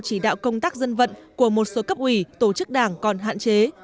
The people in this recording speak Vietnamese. chỉ đạo công tác dân vận của một số cấp ủy tổ chức đảng còn hạn chế